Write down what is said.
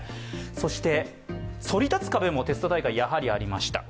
そして、そり立つ壁もテスト大会、やはりありました。